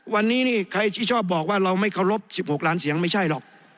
วันนี้นี่ใครที่ชอบบอกว่าเราไม่เคารพ๑๖ล้านเสียงไม่ใช่หรอก